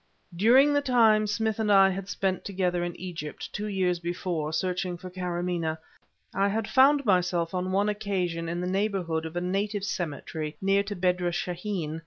During the time Smith and I had spent together in Egypt, two years before, searching for Karamaneh, I had found myself on one occasion in the neighborhood of a native cemetery near to Bedrasheen.